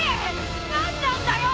何なんだよ！